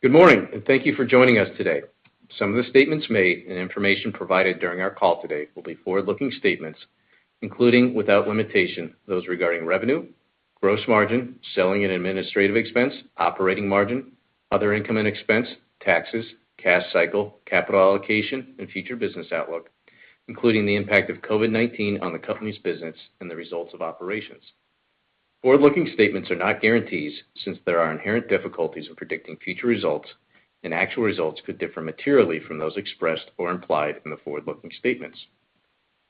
Good morning, and thank you for joining us today. Some of the statements made and information provided during our call today will be forward-looking statements, including without limitation those regarding revenue, gross margin, selling and administrative expense, operating margin, other income and expense, taxes, cash cycle, capital allocation, and future business outlook, including the impact of COVID-19 on the company's business and the results of operations. Forward-looking statements are not guarantees since there are inherent difficulties in predicting future results and actual results could differ materially from those expressed or implied in the forward-looking statements.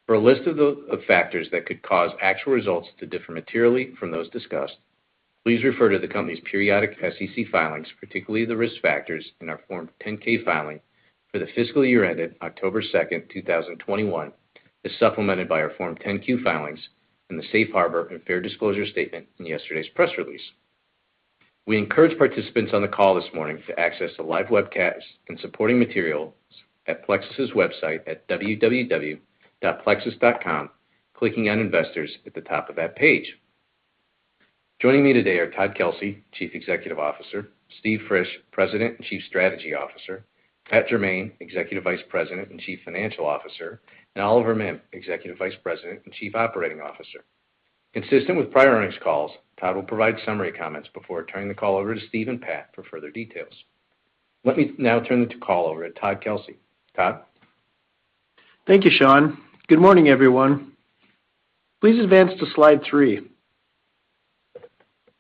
For a list of factors that could cause actual results to differ materially from those discussed, please refer to the company's periodic SEC filings, particularly the Risk Factors in our Form 10-K filing for the fiscal year ended October 2nd, 2021, as supplemented by our Form 10-Q filings in the Safe Harbor and Fair Disclosure statement in yesterday's press release. We encourage participants on the call this morning to access the live webcast and supporting materials at Plexus's website at www.plexus.com, clicking on Investors at the top of that page. Joining me today are Todd Kelsey, Chief Executive Officer, Steve Frisch, President and Chief Strategy Officer, Pat Jermain, Executive Vice President and Chief Financial Officer, and Oliver Mihm, Executive Vice President and Chief Operating Officer. Consistent with prior earnings calls, Todd will provide summary comments before turning the call over to Steve and Pat for further details. Let me now turn the call over to Todd Kelsey. Todd? Thank you, Shawn. Good morning, everyone. Please advance to slide three.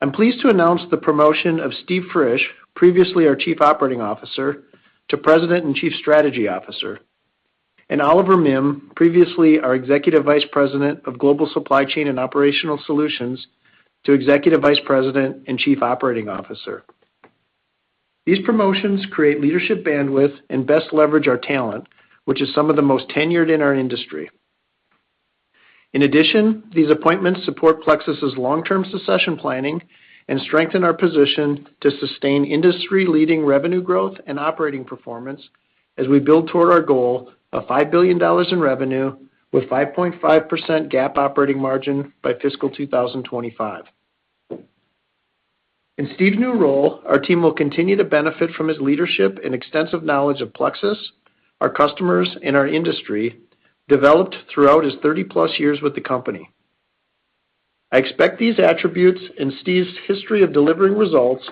I'm pleased to announce the promotion of Steve Frisch, previously our Chief Operating Officer, to President and Chief Strategy Officer, and Oliver Mihm, previously our Executive Vice President of Global Supply Chain and Operational Solutions, to Executive Vice President and Chief Operating Officer. These promotions create leadership bandwidth and best leverage our talent, which is some of the most tenured in our industry. In addition, these appointments support Plexus's long-term succession planning and strengthen our position to sustain industry-leading revenue growth and operating performance as we build toward our goal of $5 billion in revenue with 5.5% GAAP operating margin by fiscal 2025. In Steve's new role, our team will continue to benefit from his leadership and extensive knowledge of Plexus, our customers, and our industry, developed throughout his 30+ years with the company. I expect these attributes and Steve's history of delivering results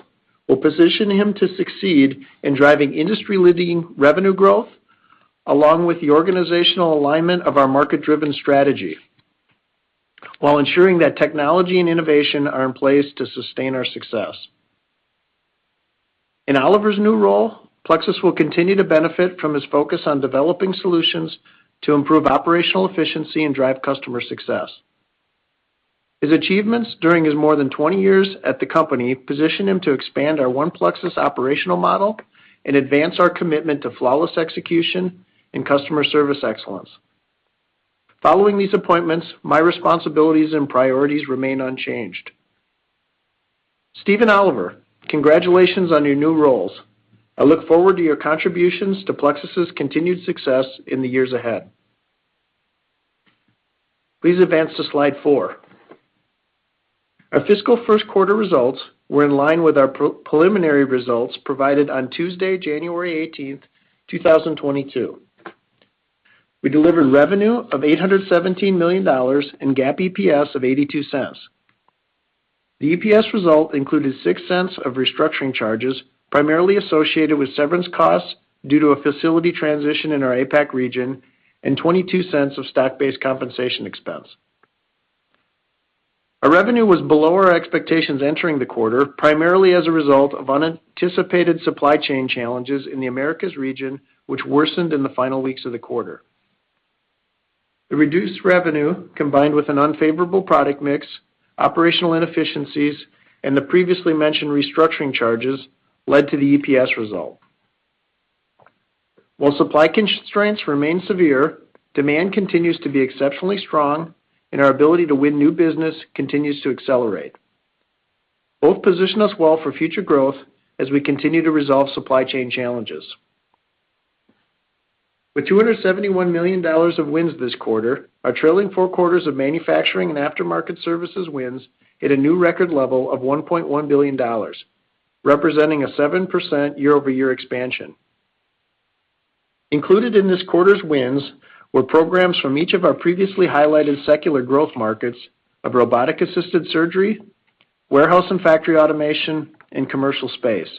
will position him to succeed in driving industry-leading revenue growth along with the organizational alignment of our market-driven strategy while ensuring that technology and innovation are in place to sustain our success. In Oliver's new role, Plexus will continue to benefit from his focus on developing solutions to improve operational efficiency and drive customer success. His achievements during his more than 20 years at the company position him to expand our One Plexus operational model and advance our commitment to flawless execution and customer service excellence. Following these appointments, my responsibilities and priorities remain unchanged. Steve and Oliver, congratulations on your new roles. I look forward to your contributions to Plexus's continued success in the years ahead. Please advance to slide four. Our fiscal first quarter results were in line with our pre-preliminary results provided on Tuesday, January 18th, 2022. We delivered revenue of $817 million and GAAP EPS of $0.82. The EPS result included $0.06 of restructuring charges primarily associated with severance costs due to a facility transition in our APAC region and $0.22 of stock-based compensation expense. Our revenue was below our expectations entering the quarter, primarily as a result of unanticipated supply chain challenges in the Americas region, which worsened in the final weeks of the quarter. The reduced revenue, combined with an unfavorable product mix, operational inefficiencies, and the previously mentioned restructuring charges, led to the EPS result. While supply constraints remain severe, demand continues to be exceptionally strong and our ability to win new business continues to accelerate. Both position us well for future growth as we continue to resolve supply chain challenges. With $271 million of wins this quarter, our trailing four quarters of manufacturing and Aftermarket Services wins hit a new record level of $1.1 billion, representing a 7% year-over-year expansion. Included in this quarter's wins were programs from each of our previously highlighted secular growth markets of robotic-assisted surgery, warehouse and factory automation, and commercial space.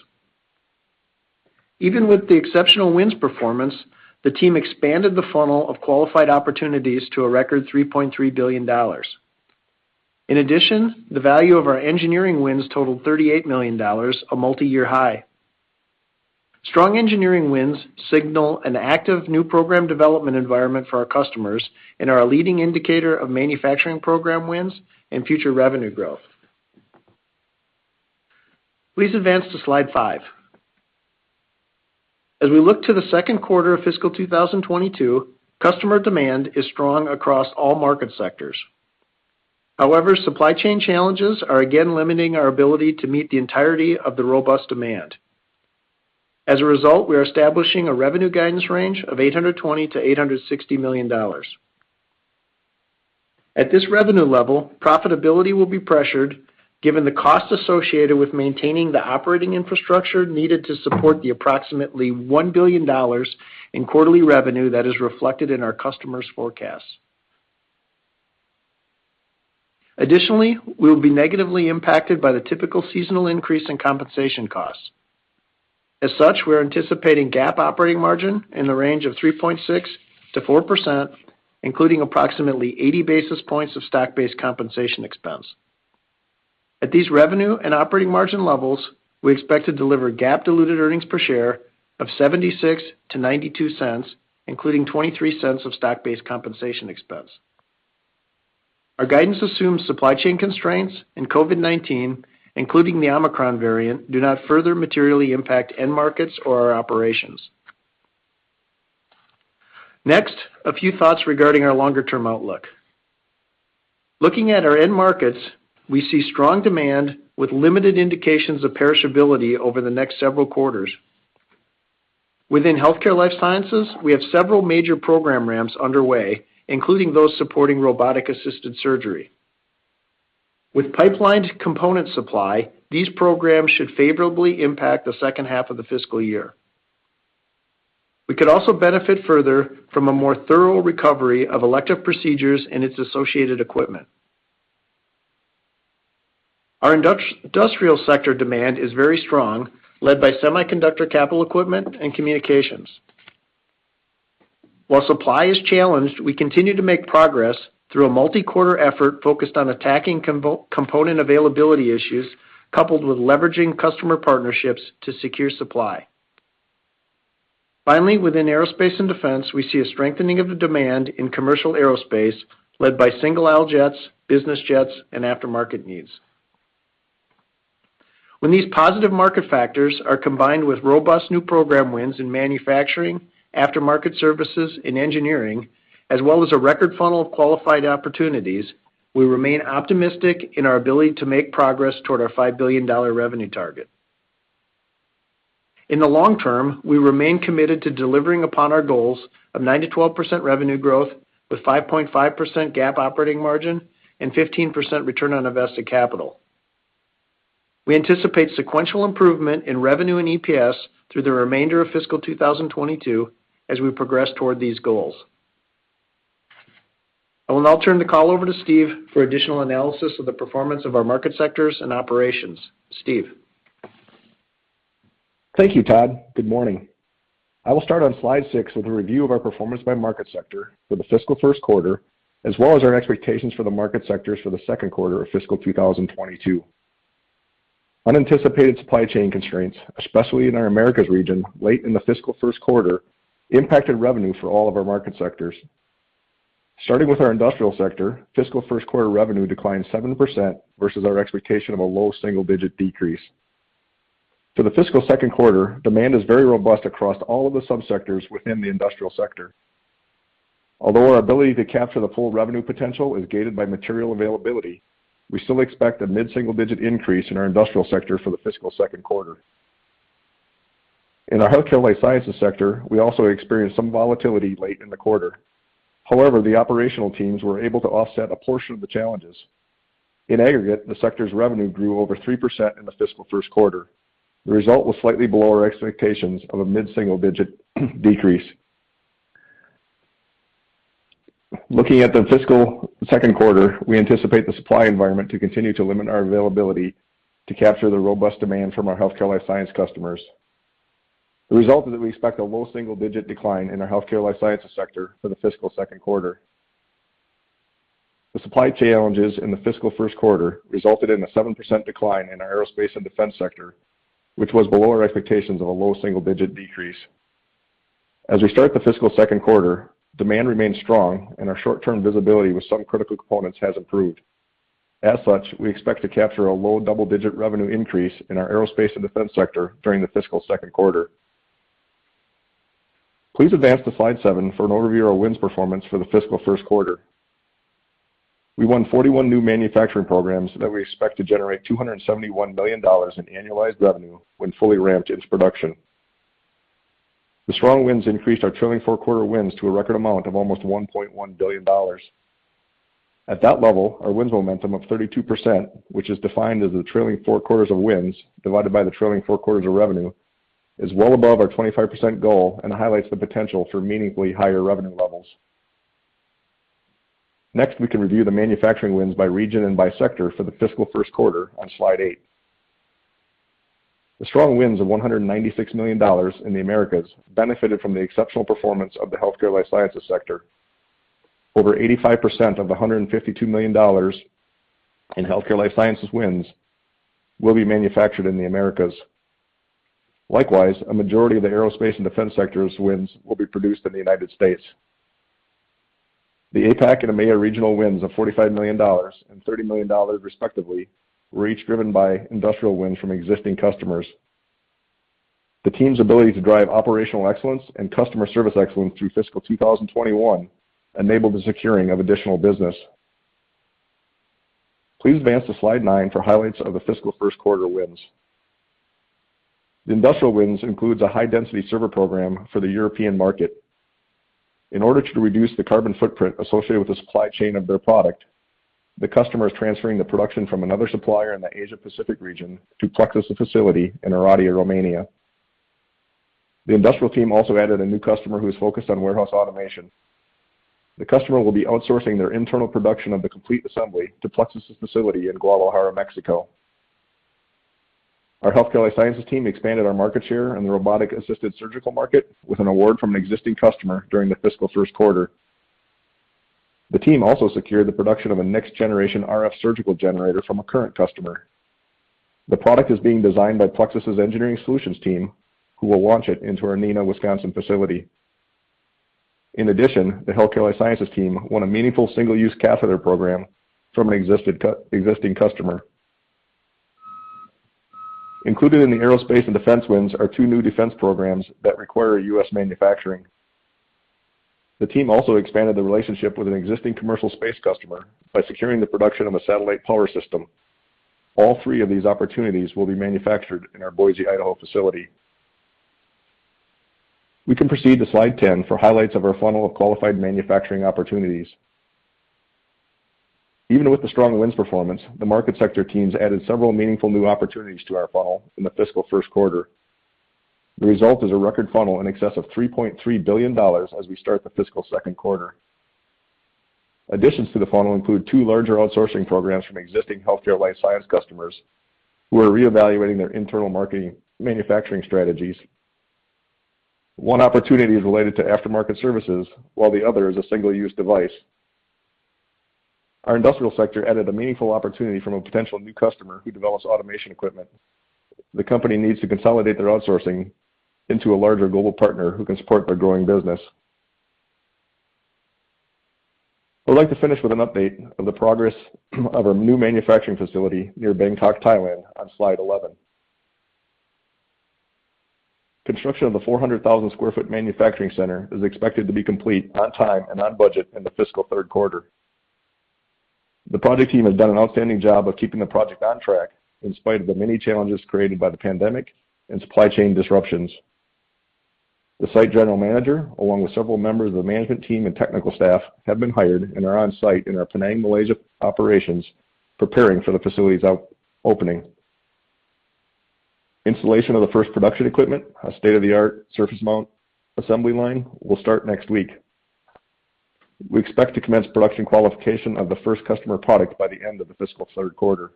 Even with the exceptional wins performance, the team expanded the funnel of qualified opportunities to a record $3.3 billion. In addition, the value of our engineering wins totaled $38 million, a multiyear high. Strong engineering wins signal an active new program development environment for our customers and are a leading indicator of manufacturing program wins and future revenue growth. Please advance to slide five. As we look to the second quarter of fiscal 2022, customer demand is strong across all market sectors. However, supply chain challenges are again limiting our ability to meet the entirety of the robust demand. As a result, we are establishing a revenue guidance range of $820 million-$860 million. At this revenue level, profitability will be pressured given the cost associated with maintaining the operating infrastructure needed to support the approximately $1 billion in quarterly revenue that is reflected in our customers' forecasts. Additionally, we will be negatively impacted by the typical seasonal increase in compensation costs. As such, we're anticipating GAAP operating margin in the range of 3.6%-4%, including approximately 80 basis points of stock-based compensation expense. At these revenue and operating margin levels, we expect to deliver GAAP diluted earnings per share of $0.76-$0.92, including $0.23 of stock-based compensation expense. Our guidance assumes supply chain constraints and COVID-19, including the Omicron variant, do not further materially impact end markets or our operations. Next, a few thoughts regarding our longer term outlook. Looking at our end markets, we see strong demand with limited indications of perishability over the next several quarters. Within Healthcare/Life Sciences, we have several major program ramps underway, including those supporting robotic-assisted surgery. With pipelined component supply, these programs should favorably impact the second half of the fiscal year. We could also benefit further from a more thorough recovery of elective procedures and its associated equipment. Our Industrial sector demand is very strong, led by semiconductor capital equipment and communications. While supply is challenged, we continue to make progress through a multi-quarter effort focused on attacking component availability issues, coupled with leveraging customer partnerships to secure supply. Finally, within Aerospace and Defense, we see a strengthening of the demand in commercial aerospace led by single-aisle jets, business jets, and aftermarket needs. When these positive market factors are combined with robust new program wins in Manufacturing, Aftermarket Services, and Engineering, as well as a record funnel of qualified opportunities, we remain optimistic in our ability to make progress toward our $5 billion revenue target. In the long term, we remain committed to delivering upon our goals of 9%-12% revenue growth with 5.5% GAAP operating margin and 15% return on invested capital. We anticipate sequential improvement in revenue and EPS through the remainder of fiscal 2022 as we progress toward these goals. I will now turn the call over to Steve for additional analysis of the performance of our market sectors and operations. Steve. Thank you, Todd. Good morning. I will start on slide six with a review of our performance by market sector for the fiscal first quarter, as well as our expectations for the market sectors for the second quarter of fiscal 2022. Unanticipated supply chain constraints, especially in our Americas region late in the fiscal first quarter, impacted revenue for all of our market sectors. Starting with our Industrial sector, fiscal first quarter revenue declined 7% versus our expectation of a low single-digit decrease. For the fiscal second quarter, demand is very robust across all of the subsectors within the Industrial sector. Although our ability to capture the full revenue potential is gated by material availability, we still expect a mid-single-digit increase in our Industrial sector for the fiscal second quarter. In our Healthcare/Life Sciences sector, we also experienced some volatility late in the quarter. However, the operational teams were able to offset a portion of the challenges. In aggregate, the sector's revenue grew over 3% in the fiscal first quarter. The result was slightly below our expectations of a mid-single digit decrease. Looking at the fiscal second quarter, we anticipate the supply environment to continue to limit our availability to capture the robust demand from our Healthcare/Life Sciences customers. The result is that we expect a low single digit decline in our Healthcare/Life Sciences sector for the fiscal second quarter. The supply challenges in the fiscal first quarter resulted in a 7% decline in our Aerospace and Defense sector, which was below our expectations of a low single digit decrease. As we start the fiscal second quarter, demand remains strong and our short-term visibility with some critical components has improved. As such, we expect to capture a low double-digit revenue increase in our aerospace and defense sector during the fiscal second quarter. Please advance to slide seven for an overview of our wins performance for the fiscal first quarter. We won 41 new manufacturing programs that we expect to generate $271 million in annualized revenue when fully ramped into production. The strong wins increased our trailing four quarters wins to a record amount of almost $1.1 billion. At that level, our wins momentum of 32%, which is defined as the trailing four quarters of wins divided by the trailing four quarters of revenue, is well above our 25% goal and highlights the potential for meaningfully higher revenue levels. Next, we can review the manufacturing wins by region and by sector for the fiscal first quarter on slide eight. The strong wins of $196 million in the Americas benefited from the exceptional performance of the Healthcare/Life Sciences sector. Over 85% of the $152 million in Healthcare/Life Sciences wins will be manufactured in the Americas. Likewise, a majority of the Aerospace and Defense sector's wins will be produced in the United States. The APAC and EMEA regional wins of $45 million and $30 million, respectively, were each driven by Industrial wins from existing customers. The team's ability to drive operational excellence and customer service excellence through fiscal 2021 enabled the securing of additional business. Please advance to slide nine for highlights of the fiscal first quarter wins. The Industrial wins includes a high density server program for the European market. In order to reduce the carbon footprint associated with the supply chain of their product, the customer is transferring the production from another supplier in the Asia Pacific region to Plexus facility in Oradea, Romania. The Industrial team also added a new customer who is focused on warehouse automation. The customer will be outsourcing their internal production of the complete assembly to Plexus's facility in Guadalajara, Mexico. Our Healthcare/Life Sciences team expanded our market share in the robotic-assisted surgical market with an award from an existing customer during the fiscal first quarter. The team also secured the production of a next generation RF surgical generator from a current customer. The product is being designed by Plexus's Engineering Solutions team, who will launch it into our Neenah, Wisconsin facility. In addition, the Healthcare/Life Sciences team won a meaningful single-use catheter program from an existing customer. Included in the Aerospace and Defense wins are two new defense programs that require U.S. manufacturing. The team also expanded the relationship with an existing commercial space customer by securing the production of a satellite power system. All three of these opportunities will be manufactured in our Boise, Idaho facility. We can proceed to slide 10 for highlights of our funnel of qualified manufacturing opportunities. Even with the strong wins performance, the market sector teams added several meaningful new opportunities to our funnel in the fiscal first quarter. The result is a record funnel in excess of $3.3 billion as we start the fiscal second quarter. Additions to the funnel include two larger outsourcing programs from existing Healthcare/Life Sciences customers who are reevaluating their internal manufacturing strategies. One opportunity is related to Aftermarket Services, while the other is a single-use device. Our Industrial sector added a meaningful opportunity from a potential new customer who develops automation equipment. The company needs to consolidate their outsourcing into a larger global partner who can support their growing business. I'd like to finish with an update of the progress of our new manufacturing facility near Bangkok, Thailand, on slide 11. Construction of the 400,000 sq ft manufacturing center is expected to be complete on time and on budget in the fiscal third quarter. The project team has done an outstanding job of keeping the project on track in spite of the many challenges created by the pandemic and supply chain disruptions. The site general manager, along with several members of the management team and technical staff, have been hired and are on site in our Penang, Malaysia operations preparing for the facility's opening. Installation of the first production equipment, a state-of-the-art surface mount assembly line, will start next week. We expect to commence production qualification of the first customer product by the end of the fiscal third quarter.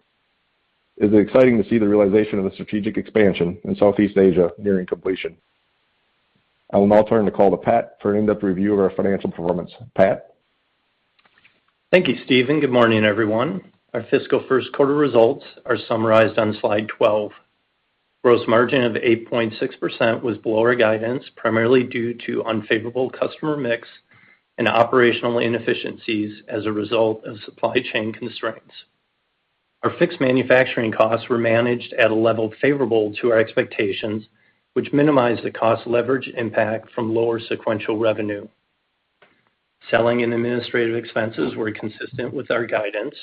It's exciting to see the realization of the strategic expansion in Southeast Asia nearing completion. I will now turn the call to Pat for an in-depth review of our financial performance. Pat? Thank you, Steven. Good morning, everyone. Our fiscal first quarter results are summarized on slide 12. Gross margin of 8.6% was below our guidance, primarily due to unfavorable customer mix and operational inefficiencies as a result of supply chain constraints. Our fixed manufacturing costs were managed at a level favorable to our expectations, which minimized the cost leverage impact from lower sequential revenue. Selling and administrative expenses were consistent with our guidance.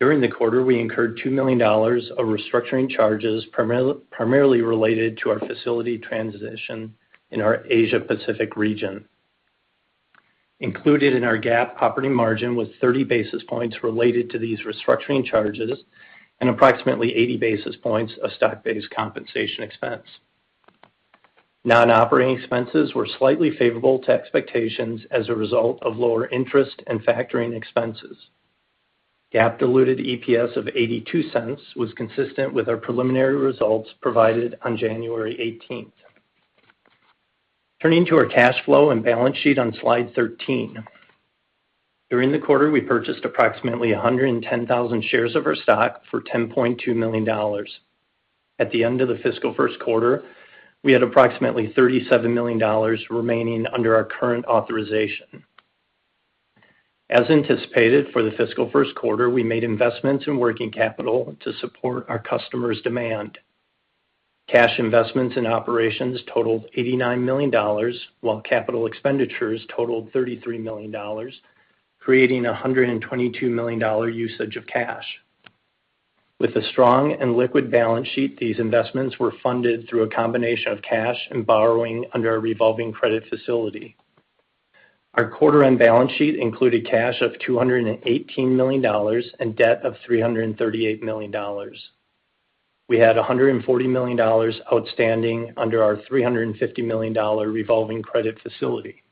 During the quarter, we incurred $2 million of restructuring charges primarily related to our facility transition in our Asia Pacific region. Included in our GAAP operating margin was 30 basis points related to these restructuring charges and approximately 80 basis points of stock-based compensation expense. Non-operating expenses were slightly favorable to expectations as a result of lower interest and factoring expenses. GAAP diluted EPS of $0.82 was consistent with our preliminary results provided on January 18th. Turning to our cash flow and balance sheet on slide 13. During the quarter, we purchased approximately 110,000 shares of our stock for $10.2 million. At the end of the fiscal first quarter, we had approximately $37 million remaining under our current authorization. As anticipated, for the fiscal first quarter, we made investments in working capital to support our customers' demand. Cash investments in operations totaled $89 million, while capital expenditures totaled $33 million, creating $122 million usage of cash. With a strong and liquid balance sheet, these investments were funded through a combination of cash and borrowing under our revolving credit facility. Our quarter-end balance sheet included cash of $218 million and debt of $338 million. We had $140 million outstanding under our $350 million revolving credit facility.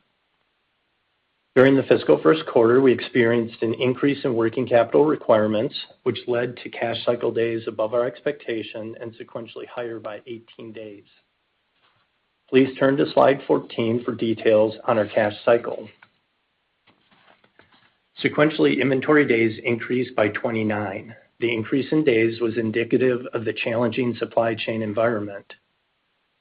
During the fiscal first quarter, we experienced an increase in working capital requirements, which led to cash cycle days above our expectation and sequentially higher by 18 days. Please turn to slide 14 for details on our cash cycle. Sequentially, inventory days increased by 29. The increase in days was indicative of the challenging supply chain environment.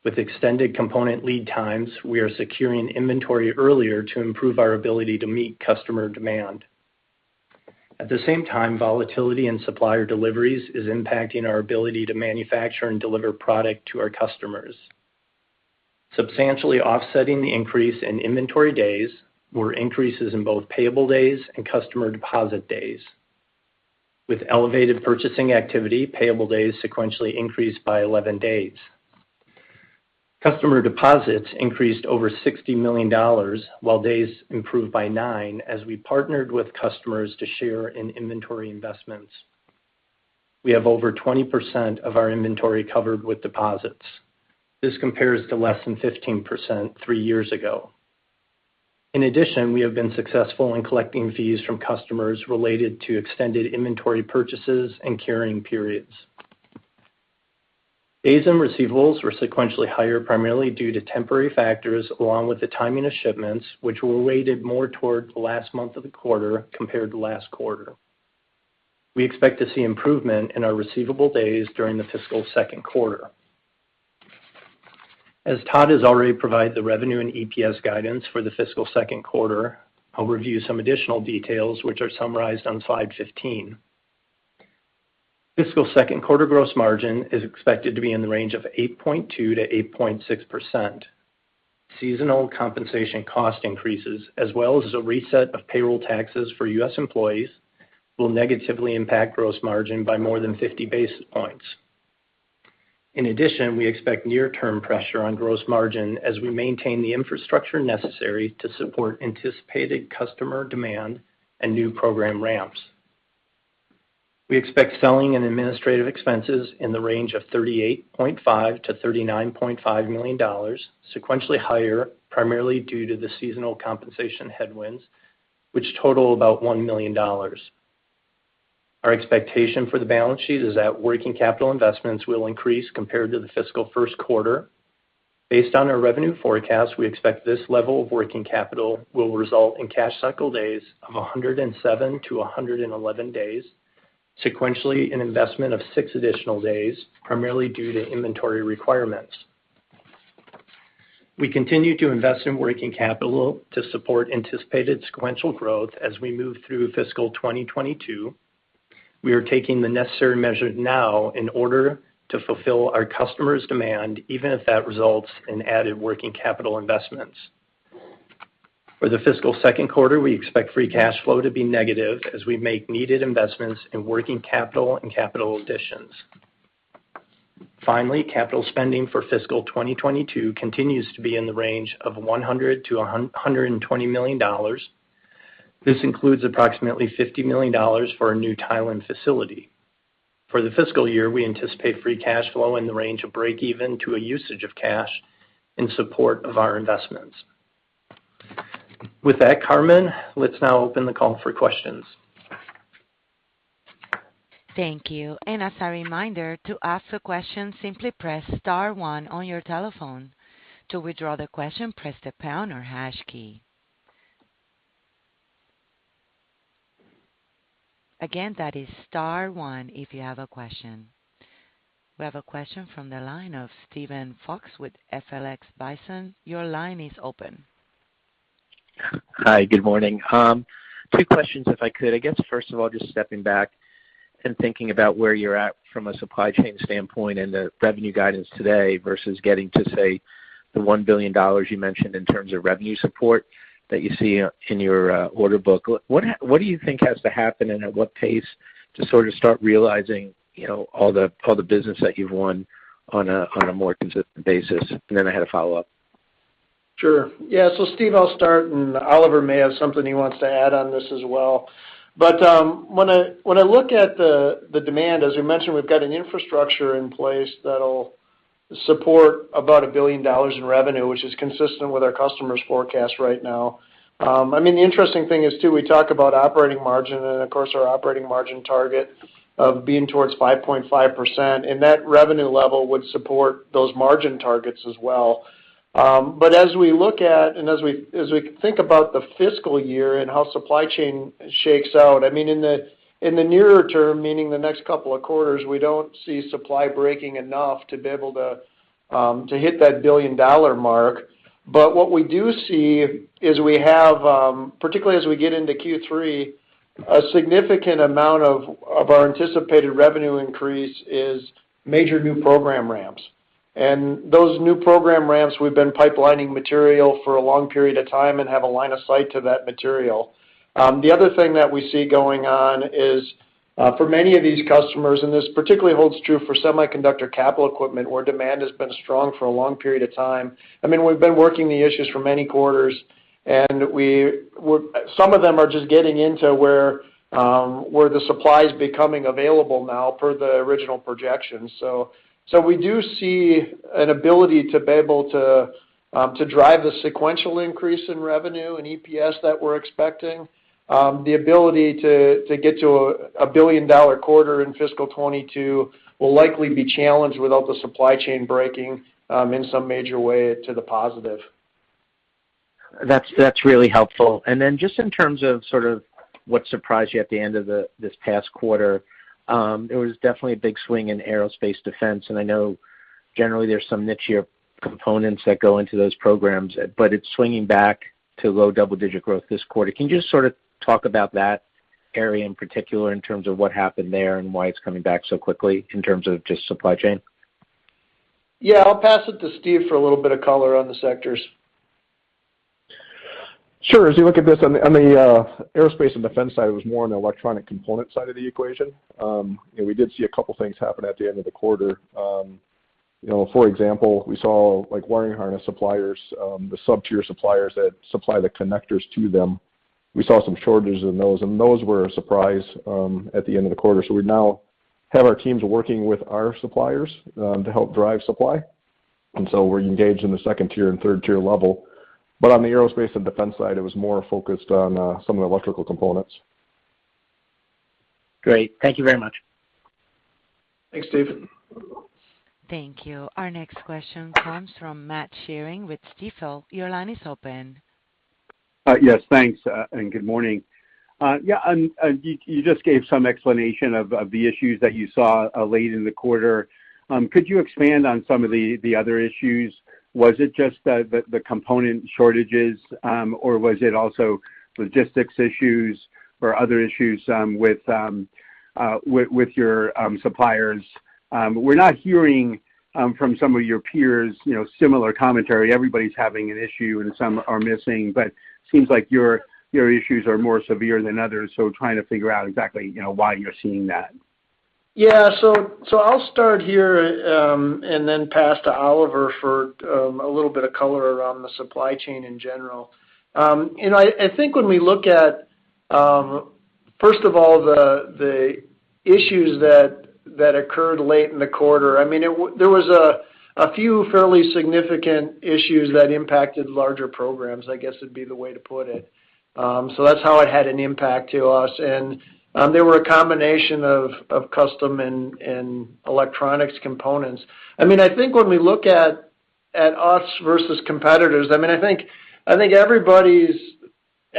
With extended component lead times, we are securing inventory earlier to improve our ability to meet customer demand. At the same time, volatility in supplier deliveries is impacting our ability to manufacture and deliver product to our customers. Substantially offsetting the increase in inventory days were increases in both payable days and customer deposit days. With elevated purchasing activity, payable days sequentially increased by 11 days. Customer deposits increased over $60 million, while days improved by nine as we partnered with customers to share in inventory investments. We have over 20% of our inventory covered with deposits. This compares to less than 15% three years ago. In addition, we have been successful in collecting fees from customers related to extended inventory purchases and carrying periods. Days and receivables were sequentially higher, primarily due to temporary factors along with the timing of shipments, which were weighted more toward the last month of the quarter compared to last quarter. We expect to see improvement in our receivable days during the fiscal second quarter. As Todd has already provided the revenue and EPS guidance for the fiscal second quarter, I'll review some additional details which are summarized on slide 15. Fiscal second quarter gross margin is expected to be in the range of 8.2%-8.6%. Seasonal compensation cost increases, as well as a reset of payroll taxes for U.S. employees, will negatively impact gross margin by more than 50 basis points. In addition, we expect near-term pressure on gross margin as we maintain the infrastructure necessary to support anticipated customer demand and new program ramps. We expect selling and administrative expenses in the range of $38.5 million-$39.5 million, sequentially higher, primarily due to the seasonal compensation headwinds, which total about $1 million. Our expectation for the balance sheet is that working capital investments will increase compared to the fiscal first quarter. Based on our revenue forecast, we expect this level of working capital will result in cash cycle days of 107-111 days, sequentially an investment of six additional days, primarily due to inventory requirements. We continue to invest in working capital to support anticipated sequential growth as we move through fiscal 2022. We are taking the necessary measures now in order to fulfill our customers' demand, even if that results in added working capital investments. For the fiscal second quarter, we expect free cash flow to be negative as we make needed investments in working capital and capital additions. Finally, capital spending for fiscal 2022 continues to be in the range of $100 million-$120 million. This includes approximately $50 million for our new Thailand facility. For the fiscal year, we anticipate free cash flow in the range of break even to a usage of cash in support of our investments. With that, Carmen, let's now open the call for questions. Thank you. As a reminder, to ask a question, simply press star one on your telephone. To withdraw the question, press the pound or hash key. Again, that is star one if you have a question. We have a question from the line of Steven Fox with Fox Advisors. Your line is open. Hi, good morning. Two questions if I could. I guess, first of all, just stepping back and thinking about where you're at from a supply chain standpoint and the revenue guidance today versus getting to, say, the $1 billion you mentioned in terms of revenue support that you see in your order book. What do you think has to happen, and at what pace to sort of start realizing, you know, all the business that you've won on a more consistent basis? Then I had a follow-up. Sure. Yeah. Steve, I'll start, and Oliver may have something he wants to add on this as well. When I look at the demand, as we mentioned, we've got an infrastructure in place that'll support about $1 billion in revenue, which is consistent with our customers' forecast right now. I mean, the interesting thing is too, we talk about operating margin and of course our operating margin target of being towards 5.5%, and that revenue level would support those margin targets as well. As we look at and as we think about the fiscal year and how supply chain shakes out, I mean, in the nearer term, meaning the next couple of quarters, we don't see supply breaking enough to be able to hit that $1 billion mark. What we do see is we have, particularly as we get into Q3, a significant amount of our anticipated revenue increase is major new program ramps. Those new program ramps, we've been pipelining material for a long period of time and have a line of sight to that material. The other thing that we see going on is, for many of these customers, and this particularly holds true for semiconductor capital equipment, where demand has been strong for a long period of time. I mean, we've been working the issues for many quarters, and some of them are just getting into where the supply is becoming available now per the original projections. We do see an ability to be able to drive the sequential increase in revenue and EPS that we're expecting. The ability to get to a billion-dollar quarter in fiscal 2022 will likely be challenged without the supply chain breaking in some major way to the positive. That's really helpful. Then just in terms of sort of what surprised you at the end of this past quarter, there was definitely a big swing in Aerospace and Defense, and I know generally there's some niche-ier components that go into those programs, but it's swinging back to low double-digit growth this quarter. Can you just sort of talk about that area in particular in terms of what happened there and why it's coming back so quickly in terms of just supply chain? Yeah. I'll pass it to Steve for a little bit of color on the sectors. Sure. As you look at this on the Aerospace and Defense side, it was more on the electronic component side of the equation. You know, we did see a couple things happen at the end of the quarter. You know, for example, we saw like wiring harness suppliers, the sub-tier suppliers that supply the connectors to them, we saw some shortages in those, and those were a surprise at the end of the quarter. We now have our teams working with our suppliers to help drive supply. We're engaged in the second tier and third tier level. On the Aerospace and Defense side, it was more focused on some of the electrical components. Great. Thank you very much. Thanks, Steve. Thank you. Our next question comes from Matt Sheerin with Stifel. Your line is open. Yes, thanks, and good morning. Yeah, you just gave some explanation of the issues that you saw late in the quarter. Could you expand on some of the other issues? Was it just the component shortages, or was it also logistics issues or other issues with your suppliers? We're not hearing from some of your peers, you know, similar commentary. Everybody's having an issue and some are missing, but seems like your issues are more severe than others, so trying to figure out exactly, you know, why you're seeing that. Yeah. I'll start here and then pass to Oliver for a little bit of color around the supply chain in general. I think when we look at first of all, the issues that occurred late in the quarter, I mean, there was a few fairly significant issues that impacted larger programs, I guess, would be the way to put it. That's how it had an impact to us. They were a combination of custom and electronics components. I mean, I think when we look at us versus competitors, I mean, I think everybody's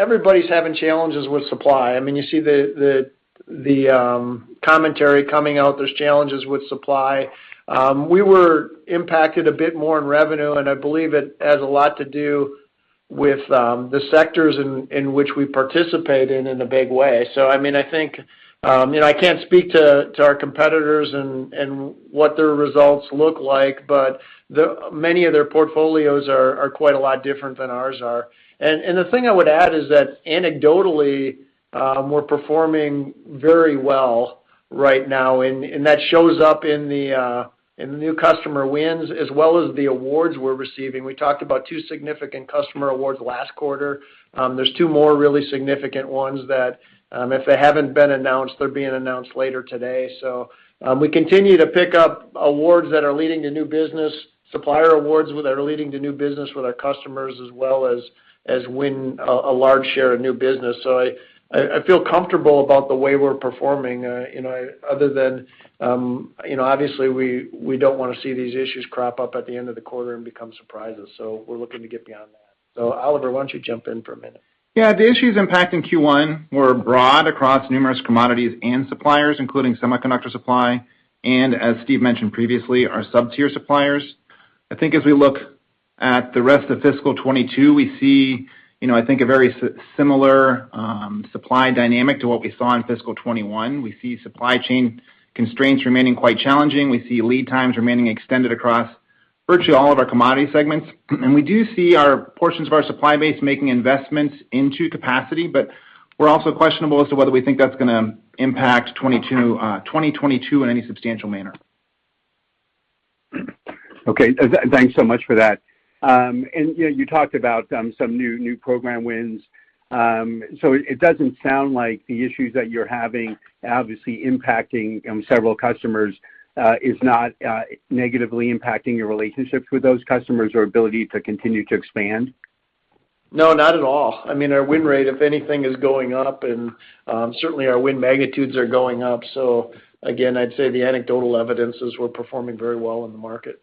having challenges with supply. I mean, you see the commentary coming out, there's challenges with supply. We were impacted a bit more in revenue, and I believe it has a lot to do with the sectors in which we participate in a big way. I mean, I think, you know, I can't speak to our competitors and what their results look like, but many of their portfolios are quite a lot different than ours are. The thing I would add is that anecdotally, we're performing very well right now, and that shows up in the new customer wins as well as the awards we're receiving. We talked about two significant customer awards last quarter. There's two more really significant ones that, if they haven't been announced, they're being announced later today. We continue to pick up awards that are leading to new business, supplier awards that are leading to new business with our customers, as well as winning a large share of new business. I feel comfortable about the way we're performing, you know, other than, you know, obviously we don't wanna see these issues crop up at the end of the quarter and become surprises. We're looking to get beyond that. Oliver, why don't you jump in for a minute? Yeah. The issues impacting Q1 were broad across numerous commodities and suppliers, including semiconductor supply, and as Steve mentioned previously, our sub-tier suppliers. I think as we look at the rest of fiscal 2022, we see, you know, I think a very similar supply dynamic to what we saw in fiscal 2021. We see supply chain constraints remaining quite challenging. We see lead times remaining extended across virtually all of our commodity segments. We do see our portions of our supply base making investments into capacity, but we're also questionable as to whether we think that's gonna impact 2022 in any substantial manner. Okay. Thanks so much for that. You know, you talked about some new program wins. It doesn't sound like the issues that you're having obviously impacting several customers is not negatively impacting your relationships with those customers or ability to continue to expand? No, not at all. I mean, our win rate, if anything, is going up and, certainly our win magnitudes are going up. Again, I'd say the anecdotal evidence is we're performing very well in the market.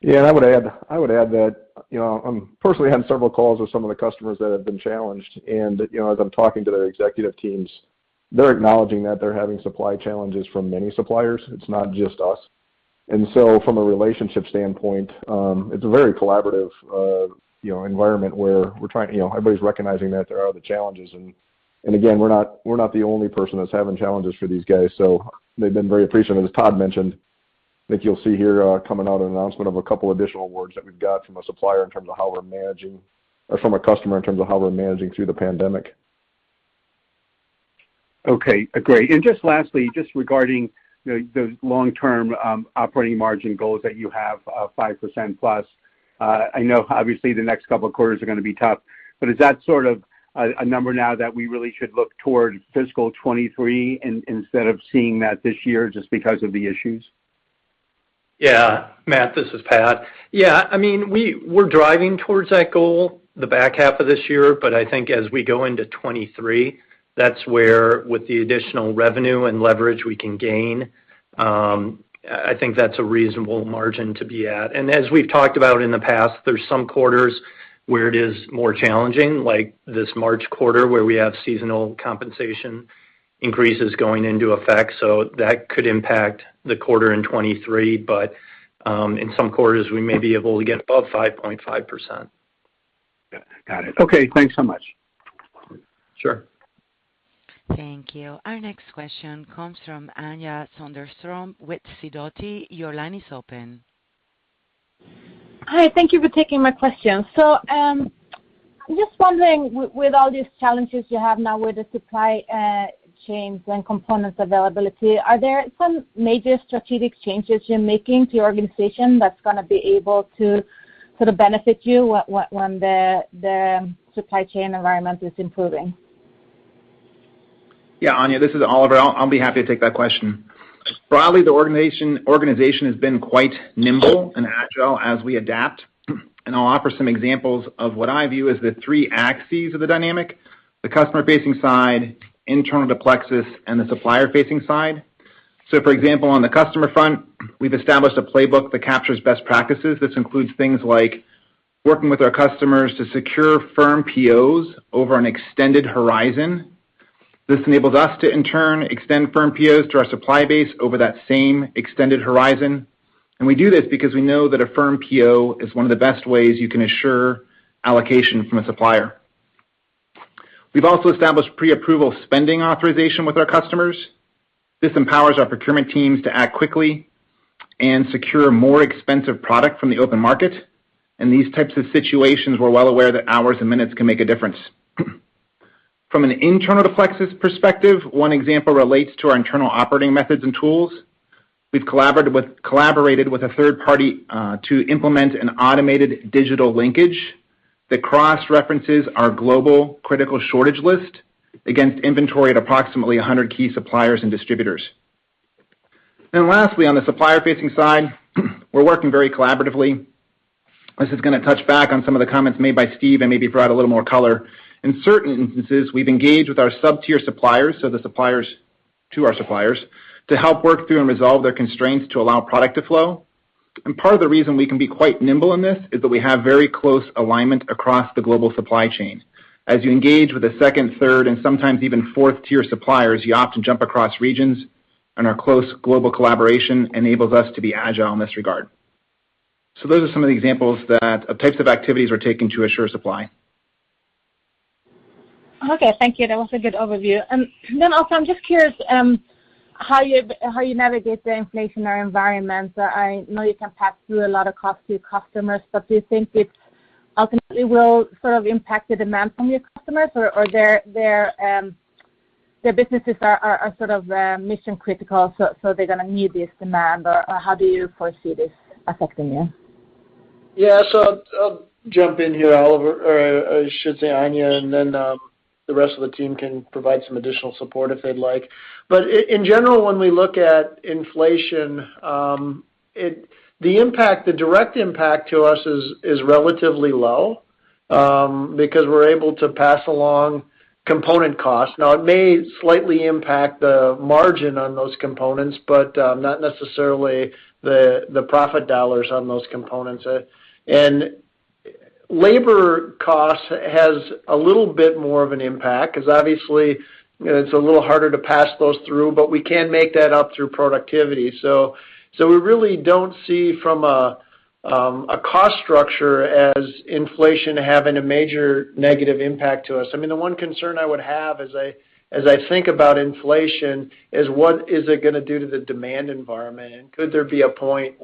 Yeah. I would add that, you know, I'm personally having several calls with some of the customers that have been challenged. You know, as I'm talking to their executive teams, they're acknowledging that they're having supply challenges from many suppliers. It's not just us. From a relationship standpoint, it's a very collaborative, you know, environment where you know, everybody's recognizing that there are other challenges. Again, we're not the only person that's having challenges for these guys, so they've been very appreciative. As Todd mentioned, I think you'll see here coming out an announcement of a couple additional awards that we've got from a supplier in terms of how we're managing, or from a customer in terms of how we're managing through the pandemic. Okay. Great. Just lastly, just regarding the long-term operating margin goals that you have, 5%+, I know obviously the next couple of quarters are gonna be tough, but is that sort of a number now that we really should look toward fiscal 2023 instead of seeing that this year just because of the issues? Yeah. Matt, this is Pat. Yeah. I mean, we're driving towards that goal the back half of this year, but I think as we go into 2023, that's where with the additional revenue and leverage we can gain, I think that's a reasonable margin to be at. As we've talked about in the past, there are some quarters where it is more challenging, like this March quarter, where we have seasonal compensation increases going into effect. That could impact the quarter in 2023. In some quarters, we may be able to get above 5.5%. Yeah. Got it. Okay. Thanks so much. Sure. Thank you. Our next question comes from Anja Soderstrom with Sidoti. Your line is open. Hi. Thank you for taking my question. I'm just wondering with all these challenges you have now with the supply chains and components availability, are there some major strategic changes you're making to your organization that's gonna be able to sort of benefit you on the supply chain environment is improving? Yeah, Anja, this is Oliver. I'll be happy to take that question. Broadly, the organization has been quite nimble and agile as we adapt. I'll offer some examples of what I view as the three axes of the dynamic, the customer-facing side, internal to Plexus, and the supplier-facing side. For example, on the customer front, we've established a playbook that captures best practices. This includes things like working with our customers to secure firm POs over an extended horizon. This enables us to, in turn, extend firm POs to our supply base over that same extended horizon. We do this because we know that a firm PO is one of the best ways you can assure allocation from a supplier. We've also established pre-approval spending authorization with our customers. This empowers our procurement teams to act quickly and secure more expensive product from the open market. In these types of situations, we're well aware that hours and minutes can make a difference. From an internal to Plexus perspective, one example relates to our internal operating methods and tools. We've collaborated with a third party to implement an automated digital linkage that cross-references our global critical shortage list against inventory at approximately 100 key suppliers and distributors. Lastly, on the supplier-facing side, we're working very collaboratively. This is gonna touch back on some of the comments made by Steve and maybe provide a little more color. In certain instances, we've engaged with our sub-tier suppliers, so the suppliers to our suppliers, to help work through and resolve their constraints to allow product to flow. Part of the reason we can be quite nimble in this is that we have very close alignment across the global supply chain. As you engage with the second, third, and sometimes even fourth-tier suppliers, you often jump across regions, and our close global collaboration enables us to be agile in this regard. Those are some of the examples, types of activities we're taking to assure supply. Okay, thank you. That was a good overview. Also, I'm just curious how you navigate the inflationary environment. I know you can pass through a lot of costs to your customers, but do you think it ultimately will sort of impact the demand from your customers or their businesses are sort of mission critical, so they're gonna need this demand or how do you foresee this affecting you? Yeah. I'll jump in here, Oliver, or I should say, Anja, and then the rest of the team can provide some additional support if they'd like. In general, when we look at inflation, the impact, the direct impact to us is relatively low because we're able to pass along component costs. Now, it may slightly impact the margin on those components, but not necessarily the profit dollars on those components. Labor cost has a little bit more of an impact 'cause obviously it's a little harder to pass those through, but we can make that up through productivity. We really don't see from a cost structure as inflation having a major negative impact to us. I mean, the one concern I would have as I think about inflation is, what is it gonna do to the demand environment? Could there be a point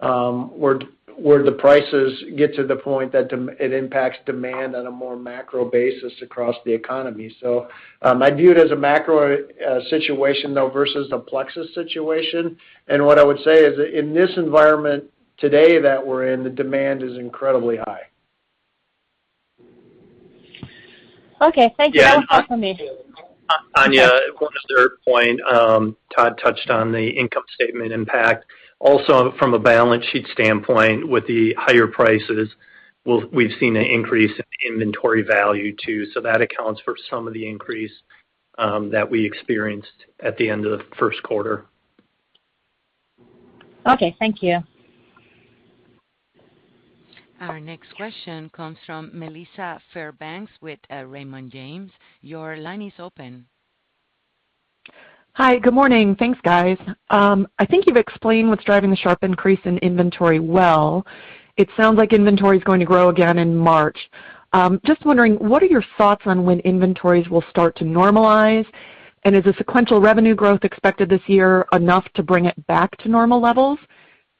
where the prices get to the point that it impacts demand on a more macro basis across the economy. I view it as a macro situation though versus the Plexus situation. What I would say is that in this environment today that we're in, the demand is incredibly high. Okay. Thank you. Yeah. That was helpful, Steve. Anja, one other point, Todd touched on the income statement impact. Also from a balance sheet standpoint, with the higher prices, we've seen an increase in inventory value too. That accounts for some of the increase that we experienced at the end of the first quarter. Okay, thank you. Our next question comes from Melissa Fairbanks with Raymond James. Your line is open. Hi. Good morning. Thanks, guys. I think you've explained what's driving the sharp increase in inventory well. It sounds like inventory is going to grow again in March. Just wondering, what are your thoughts on when inventories will start to normalize? And is the sequential revenue growth expected this year enough to bring it back to normal levels?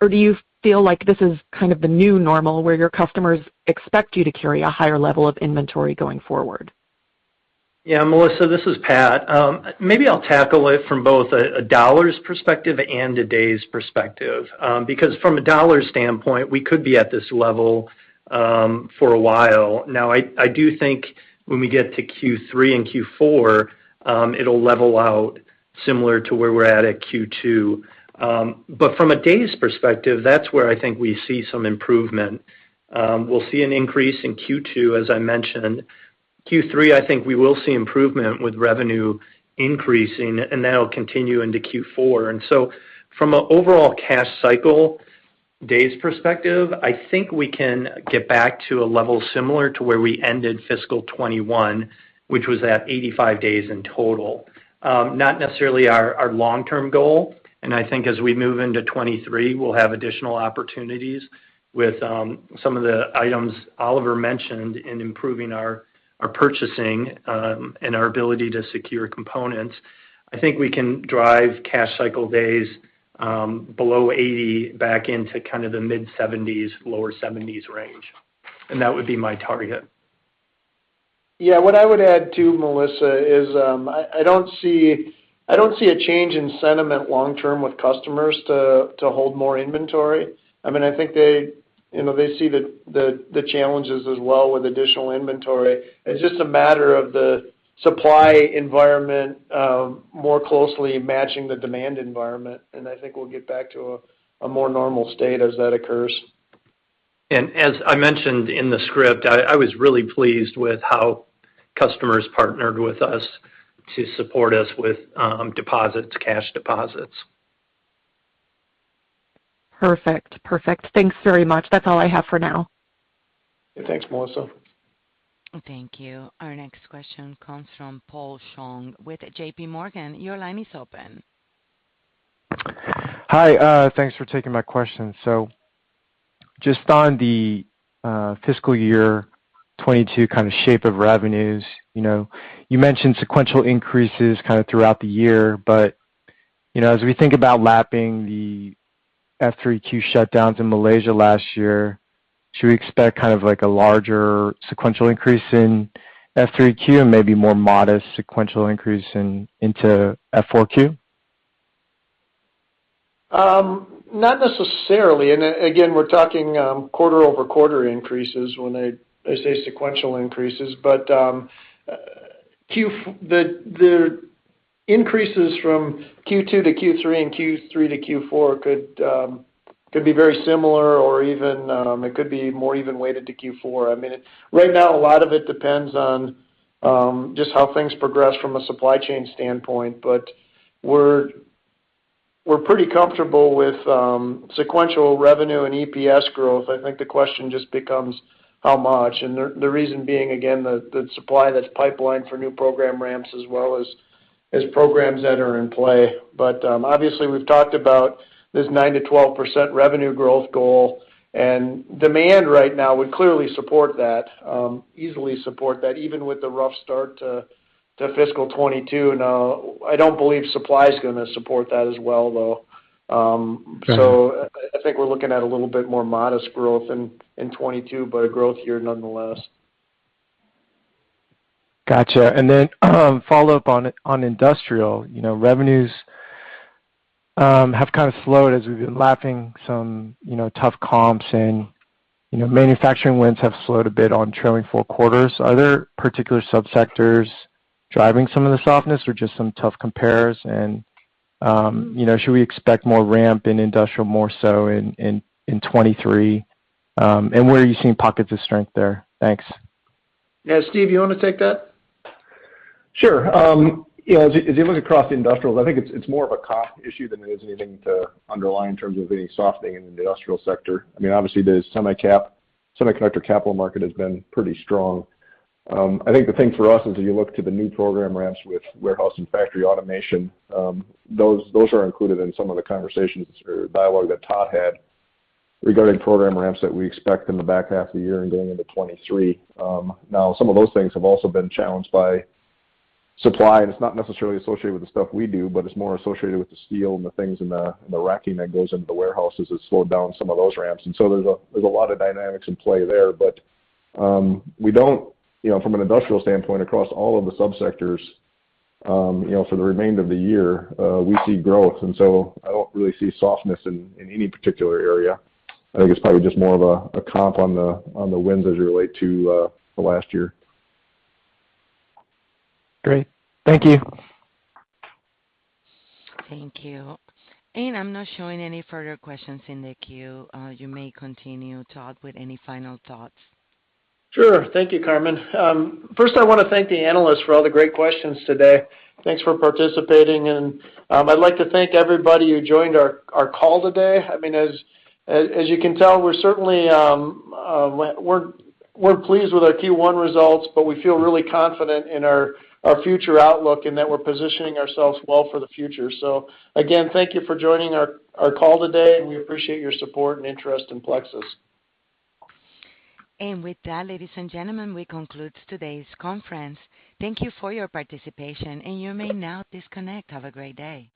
Or do you feel like this is kind of the new normal where your customers expect you to carry a higher level of inventory going forward? Yeah, Melissa, this is Pat. Maybe I'll tackle it from both a dollars perspective and a days perspective. Because from a dollars standpoint, we could be at this level for a while. Now, I do think when we get to Q3 and Q4, it'll level out similar to where we're at Q2. But from a days perspective, that's where I think we see some improvement. We'll see an increase in Q2, as I mentioned. Q3, I think we will see improvement with revenue increasing, and that'll continue into Q4. From an overall cash cycle days perspective, I think we can get back to a level similar to where we ended fiscal 2021, which was at 85 days in total. Not necessarily our long-term goal, and I think as we move into 2023, we'll have additional opportunities with some of the items Oliver mentioned in improving our purchasing and our ability to secure components. I think we can drive cash cycle days below 80 back into kind of the mid-70s, lower 70s range, and that would be my target. Yeah. What I would add too, Melissa, is I don't see a change in sentiment long term with customers to hold more inventory. I mean, I think they, you know, they see the challenges as well with additional inventory. It's just a matter of the supply environment more closely matching the demand environment, and I think we'll get back to a more normal state as that occurs. As I mentioned in the script, I was really pleased with how customers partnered with us to support us with deposits, cash deposits. Perfect. Perfect. Thanks very much. That's all I have for now. Thanks, Melissa. Thank you. Our next question comes from Paul Chung with JPMorgan. Your line is open. Hi, thanks for taking my question. Just on the fiscal year 2022 kind of shape of revenues, you know, you mentioned sequential increases kind of throughout the year. You know, as we think about lapping the F3Q shutdowns in Malaysia last year, should we expect kind of like a larger sequential increase in F3Q and maybe more modest sequential increase in, into F4Q? Not necessarily. Again, we're talking quarter-over-quarter increases when they say sequential increases. The increases from Q2 to Q3 and Q3 to Q4 could be very similar or even more even weighted to Q4. I mean, right now, a lot of it depends on just how things progress from a supply chain standpoint. We're pretty comfortable with sequential revenue and EPS growth. I think the question just becomes how much, and the reason being, again, the supply that's pipelined for new program ramps as well as programs that are in play. Obviously, we've talked about this 9%-12% revenue growth goal, and demand right now would clearly support that, easily support that even with the rough start to fiscal 2022. Now, I don't believe supply is gonna support that as well, though. I think we're looking at a little bit more modest growth in 2022, but a growth year nonetheless. Gotcha. Follow-up on Industrial. You know, revenues have kind of slowed as we've been lapping some, you know, tough comps, and, you know, manufacturing wins have slowed a bit on trailing four quarters. Are there particular subsectors driving some of the softness or just some tough compares? You know, should we expect more ramp in Industrial more so in 2023? Where are you seeing pockets of strength there? Thanks. Yeah. Steve, you wanna take that? Sure. You know, as you look across the Industrials, I think it's more of a comp issue than it is anything underlying in terms of any softening in the Industrial sector. I mean, obviously, the semi-cap, semiconductor capital market has been pretty strong. I think the thing for us is you look to the new program ramps with warehouse and factory automation. Those are included in some of the conversations or dialogue that Todd had regarding program ramps that we expect in the back half of the year and going into 2023. Now, some of those things have also been challenged by supply, and it's not necessarily associated with the stuff we do, but it's more associated with the steel and the things and the racking that goes into the warehouses that slowed down some of those ramps. There's a lot of dynamics in play there. We don't, you know, from an Industrial standpoint across all of the subsectors, you know, for the remainder of the year, we see growth, and so I don't really see softness in any particular area. I think it's probably just more of a comp on the wins as you relate to the last year. Great. Thank you. Thank you. I'm not showing any further questions in the queue. You may continue, Todd, with any final thoughts. Sure. Thank you, Carmen. First I wanna thank the analysts for all the great questions today. Thanks for participating. I'd like to thank everybody who joined our call today. I mean, as you can tell, we're certainly pleased with our Q1 results, but we feel really confident in our future outlook and that we're positioning ourselves well for the future. Again, thank you for joining our call today, and we appreciate your support and interest in Plexus. With that, ladies and gentlemen, we conclude today's conference. Thank you for your participation, and you may now disconnect. Have a great day.